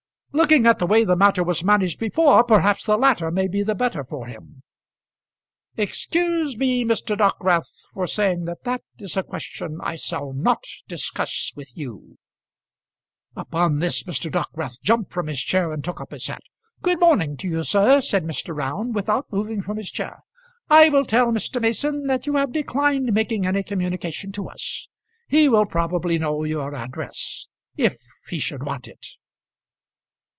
"Looking at the way the matter was managed before, perhaps the latter may be the better for him." "Excuse me, Mr. Dockwrath, for saying that that is a question I shall not discuss with you." Upon this Mr. Dockwrath jumped from his chair, and took up his hat. "Good morning to you, sir," said Mr. Round, without moving from his chair; "I will tell Mr. Mason that you have declined making any communication to us. He will probably know your address if he should want it."